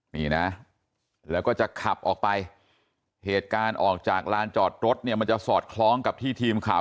นี่นะแล้วก็จะขับออกไปเหตุการณ์ออกจากลานจอดรถเนี่ยมันจะสอดคล้องกับที่ทีมข่าว